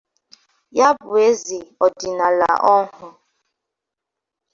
ya bụ eze ọdịnala ọhụụ